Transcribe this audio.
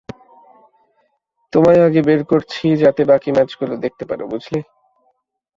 তোমায় আগে বের করছি যাতে বাকি ম্যাচগুলো দেখতে পারো, বুঝলে?